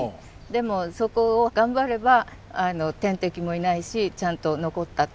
でもそこを頑張れば天敵もいないしちゃんと残ったってことですね。